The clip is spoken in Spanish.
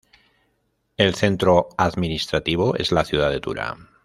El centro administrativo es la ciudad de Tura.